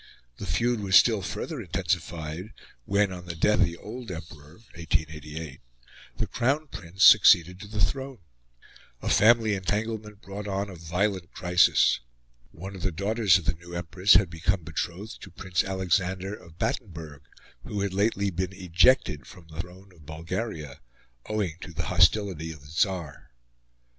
The feud was still further intensified when, on the death of the old Emperor (1888), the Crown Prince succeeded to the throne. A family entanglement brought on a violent crisis. One of the daughters of the new Empress had become betrothed to Prince Alexander of Battenberg, who had lately been ejected from the throne of Bulgaria owing to the hostility of the Tsar.